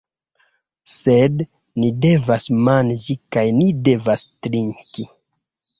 Sed ni devas manĝi kaj ni devas trinki.